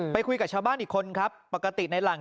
คุยกับชาวบ้านอีกคนครับปกติในหลัง